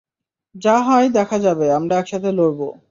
যা হয় দেখা যাবে, আমরা একসাথে লড়বো।